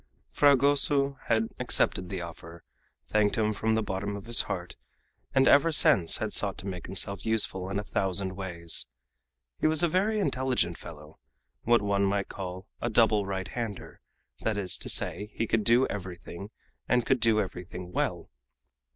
Fragoso had accepted the offer, thanked him from the bottom of his heart, and ever since had sought to make himself useful in a thousand ways. He was a very intelligent fellow what one might call a "double right hander" that is to say, he could do everything, and could do everything well.